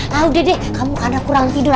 nah udah deh kamu karena kurang tidur